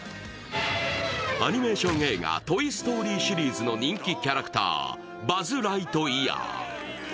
アニメーション映画「トイ・ストーリー」シリーズの人気キャラクター、バズ・ライトイヤー。